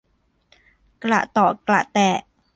กระเตาะกระแตะ